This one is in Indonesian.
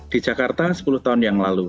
di jakarta sepuluh tahun yang lalu